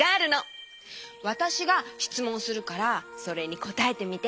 わたしがしつもんするからそれにこたえてみて。